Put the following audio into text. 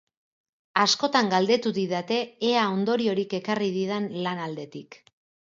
Askotan galdetu didate ea ondoriorik ekarri didan lan aldetik.